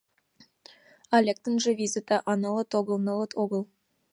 А лектынже визыте, а нылыт огыл, нылыт огыл!